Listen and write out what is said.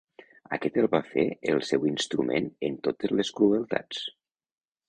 Aquest el va fer el seu instrument en totes les crueltats.